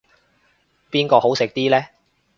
邊個好食啲呢